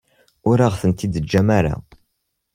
Ur aɣ-tent-id-teǧǧam ara.